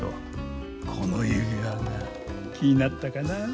この指輪が気になったかな。